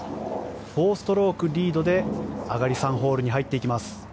４ストロークリードで上がり３ホールに入っていきます。